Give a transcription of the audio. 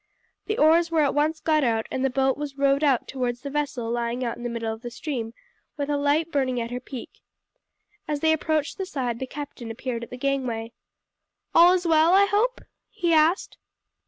The oars were at once got out and the boat was rowed out towards the vessel lying out in the middle of the stream with a light burning at her peak. As they approached the side the captain appeared at the gangway. "All is well, I hope?" he asked.